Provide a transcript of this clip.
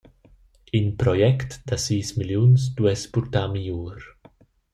In project da sis milliuns duess purtar migliur.